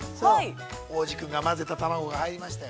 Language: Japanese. ◆央士君が混ぜた卵が入りましたよ。